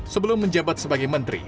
sebelum menjabat sebagai menteri